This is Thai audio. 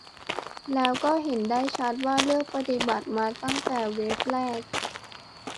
แล้วก็เห็นได้ชัดว่าเลือกปฏิบัติมาตั้งแต่เวฟแรก